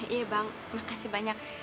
iya bang makasih banyak